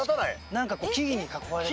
何かこう木々に囲まれて。